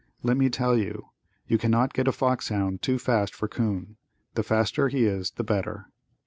Let me tell you, you cannot get a fox hound too fast for 'coon, the faster he is the better.